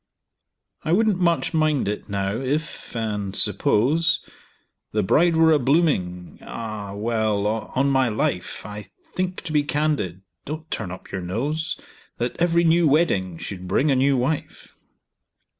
"I wouldn't much mind it, now—if—and suppose— The bride were a blooming—Ah! well—on my life, I think—to be candid—(don't turn up your nose!) That every new wedding should bring a new wife!"